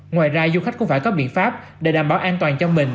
ngoài ra du khách cũng phải có biện pháp để đảm bảo an toàn cho mình